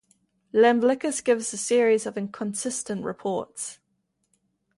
Iamblichus gives a series of inconsistent reports.